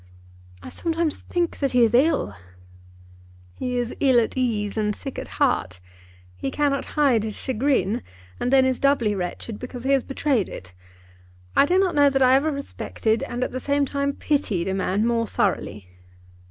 "I sometimes think that he is ill." "He is ill at ease and sick at heart. He cannot hide his chagrin, and then is doubly wretched because he has betrayed it. I do not know that I ever respected and, at the same time, pitied a man more thoroughly."